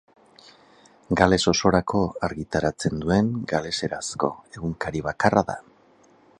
Gales osorako argitaratzen duen galeserazko egunkari bakarra da.